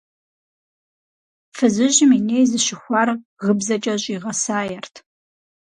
Фызыжьым и ней зыщыхуар гыбзэкӏэ щӏигъэсаерт.